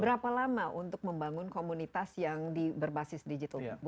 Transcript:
berapa lama untuk membangun komunitas yang berbasis digital